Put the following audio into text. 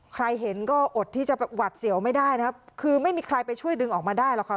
ใครเห็นก็อดที่จะหวัดเสียวไม่ได้นะครับคือไม่มีใครไปช่วยดึงออกมาได้หรอกค่ะ